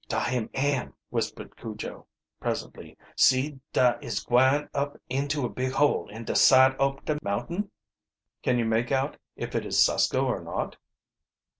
"Dar him am!" whispered Cujo, presently. "See, da is gwine up into a big hole in de side ob de mountain?" "Can you make out if it is Susko or not?"